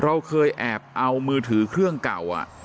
เราเคยแอบเอามือถือเครื่องเก่า